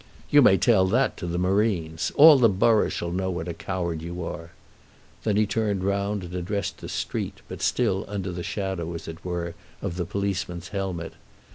"You may tell that to the marines. All the borough shall know what a coward you are." Then he turned round and addressed the street, but still under the shadow, as it were, of the policeman's helmet.